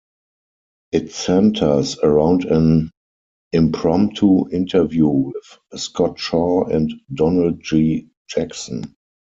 It centers around an impromptu interview with Scott Shaw and Donald G. Jackson.